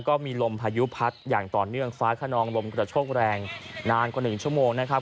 ก็มีลมพายุพัดอย่างต่อเนื่องฟ้าขนองลมกระโชกแรงนานกว่าหนึ่งชั่วโมงนะครับ